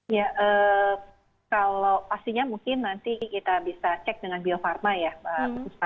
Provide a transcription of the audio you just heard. ya kalau pastinya mungkin nanti kita bisa cek dengan bio farma ya mbak puspa